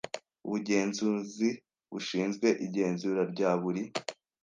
Ubugenzuzi bushinzwe igenzura rya buri